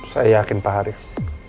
saya yakin pak haris